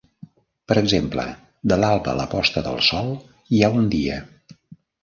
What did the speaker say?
Per exemple, de l'alba a la posta del sol hi ha un dia.